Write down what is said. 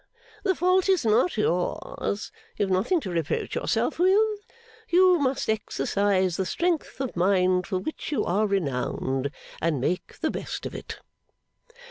The fault is not yours. You have nothing to reproach yourself with. You must exercise the strength of mind for which you are renowned, and make the best of it.